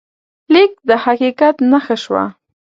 لیک د حقیقت نښه شوه.